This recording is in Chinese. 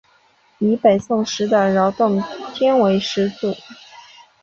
以北宋时的饶洞天为始祖。